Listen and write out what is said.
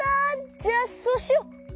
じゃあそうしよう！